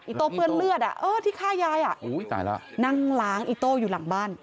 อีโตเปลือนเลือดที่ฆ่ายายนั่งหลางอีโตอยู่หลังบ้าน